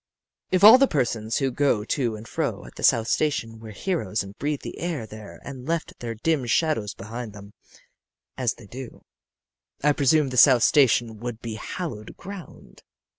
"If all the persons who go to and fro at the South Station were heroes and breathed the air there and left their dim shadows behind them as they do I presume the South Station would be hallowed ground.